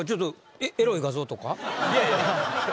いやいや。